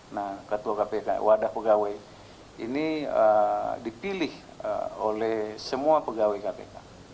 nah wadah pegawai ini dipilih oleh semua pegawai kpk